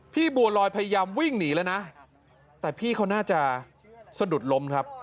บัวลอยพยายามวิ่งหนีแล้วนะแต่พี่เขาน่าจะสะดุดล้มครับ